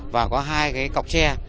và có hai cái cọc tre